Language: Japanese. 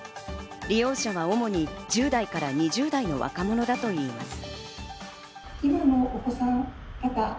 利用者は主に１０代から２０代の若者だといいます。